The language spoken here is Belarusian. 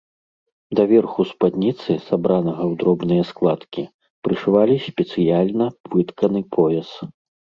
Да верху спадніцы, сабранага ў дробныя складкі, прышывалі спецыяльна вытканы пояс.